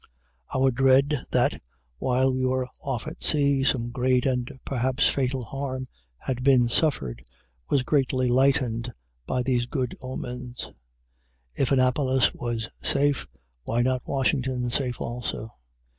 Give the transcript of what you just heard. Our dread, that, while we were off at sea, some great and perhaps fatal harm had been suffered, was greatly lightened by these good omens. If Annapolis was safe, why not Washington safe also?